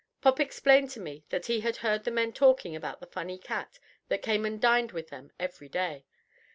Pop explained to me that he had heard the men talking about the funny cat that came and dined with them every day.